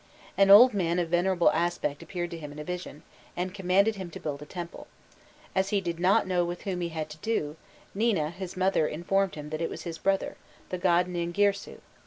An old man of venerable aspect appeared to him in a vision, and commanded him to build a temple: as he did not know with whom he had to do, Nina his mother informed him that it was his brother, the god Ningirsu.